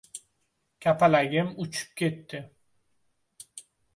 Kapalagim uchib ketdi.